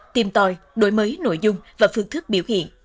tìm tòi đổi mới nội dung và phương thức biểu hiện